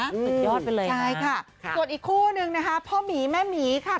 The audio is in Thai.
สุดยอดไปเลยใช่ค่ะส่วนอีกคู่นึงนะคะพ่อหมีแม่หมีค่ะ